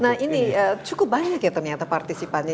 nah ini cukup banyak ya ternyata partisipannya